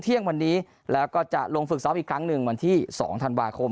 เที่ยงวันนี้แล้วก็จะลงฝึกซ้อมอีกครั้งหนึ่งวันที่๒ธันวาคม